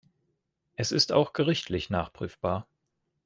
Es ist auch gerichtlich nachprüfbar.